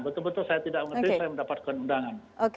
betul betul saya tidak mengerti saya mendapatkan undangan